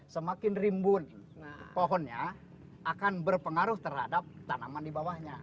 semakin rimbun pohonnya akan berpengaruh terhadap tanaman di bawahnya